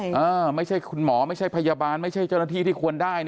หรือที่คุณหมอไม่ใช่ภัยบาลไม่ใช่เจ้าหน้าที่ที่ควรได้